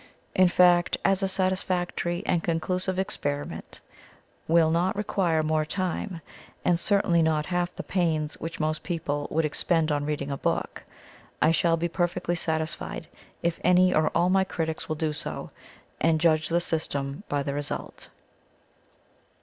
In fact, as a satisfactory and conclusive experiment will not require more time, and certainly not half the pains which most people would expend on reading a book, I shall be perfectly satisfied if any or all my critics will do so, and judge the system by the result.